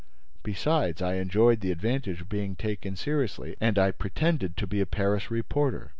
Besides, I enjoyed the advantage of being taken seriously and I pretended to be a Paris reporter.